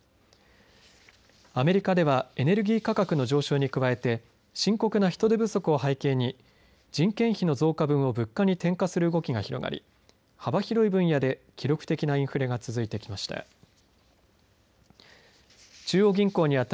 アメリカではエネルギー価格の上昇に加えて深刻な人手不足を背景に人件費の増加分を物価に転嫁する動きが広がり幅広い分野で記録的なインフレが続いてきました。